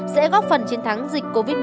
sẽ góp phần chiến thắng dịch covid một mươi